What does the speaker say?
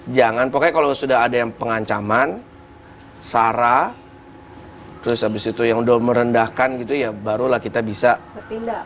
jangan pokoknya kalau sudah ada yang pengancaman sarah terus habis itu yang udah merendahkan gitu ya barulah kita bisa bertindak